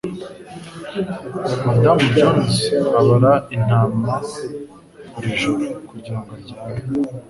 Madamu Jones abara intama buri joro kugirango aryame.